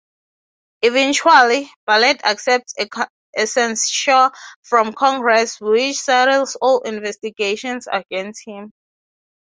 Eventually, Bartlet accepts a censure from Congress, which settles all investigations against him.